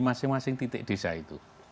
masing masing titik desa itu